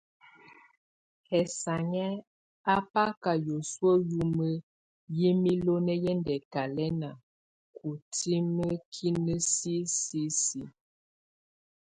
Hésanjɛ abaka yəsuə yumə yɛ miloni yʼɛndɛkalɛnda kutiməkinə sisi sis.